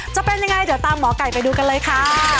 จะเป็นยังไงเดี๋ยวตามหมอไก่ไปดูกันเลยค่ะ